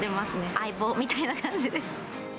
相棒みたいな感じです。